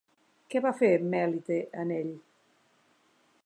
Què va fer Mèlite en ell?